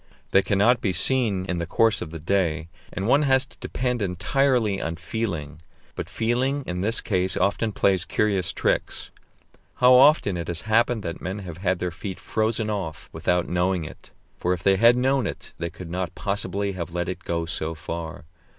They cannot be seen in the course of the day, and one has to depend entirely on feeling; but feeling in this case often plays curious tricks. How often has it happened that men have had their feet frozen off without knowing it! For if they had known it, they could not possibly have let it go so far.